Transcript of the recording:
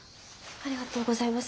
ありがとうございます。